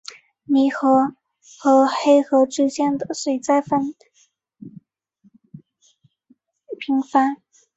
泥河和黑河之间水灾频繁。